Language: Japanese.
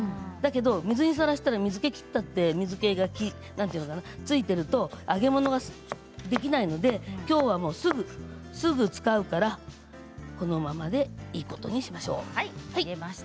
だけど水にさらしたら水けを切ったってなんて言うのかな水けがついていると揚げ物ができないのできょうはすぐ使うからこのままでいいことにしましょう。